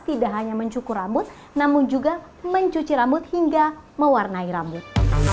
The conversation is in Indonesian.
tidak hanya mencukur rambut namun juga mencuci rambut hingga mewarnai rambut